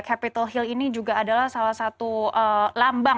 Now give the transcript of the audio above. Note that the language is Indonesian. capital hill ini juga adalah salah satu lambang